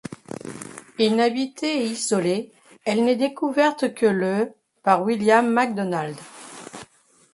Inhabitée et isolée, elle n'est découverte que le par William McDonald.